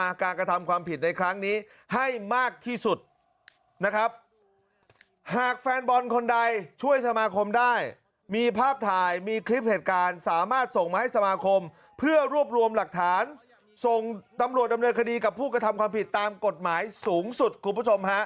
การกระทำความผิดในครั้งนี้ให้มากที่สุดนะครับหากแฟนบอลคนใดช่วยสมาคมได้มีภาพถ่ายมีคลิปเหตุการณ์สามารถส่งมาให้สมาคมเพื่อรวบรวมหลักฐานส่งตำรวจดำเนินคดีกับผู้กระทำความผิดตามกฎหมายสูงสุดคุณผู้ชมฮะ